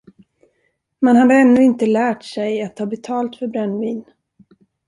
Man hade ännu inte lärt sig att ta betalt för brännvin.